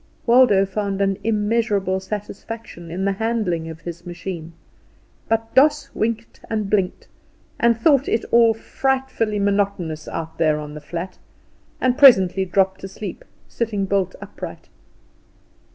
Waldo found an immeasurable satisfaction in the handling of his machine; but Doss winked and blinked, and thought it all frightfully monotonous out there on the flat, and presently dropped asleep, sitting bolt upright.